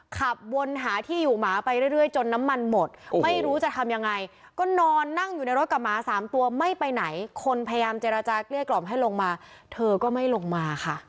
ขับวนหาที่อยู่หมาไปเรื่อยจนน้ำมันหมดไม่รู้จะทำยังไงก็นอนนั่งอยู่ในรถกับหมา๓ตัวไม่ไปไหนคนพยายามเจรจาเกลี้ยกล่อมให้ลงมาเธอก็ไม่ลงมาค่ะ